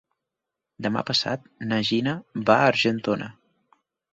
Demà passat na Gina va a Argentona.